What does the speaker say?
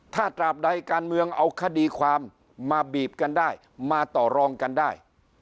ถ้าตราบใดการเมืองเอาคดีความมาบีบกันได้มาต่อรองกันได้